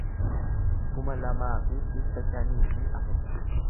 kuma lamaa fi dhibba shanii fi afur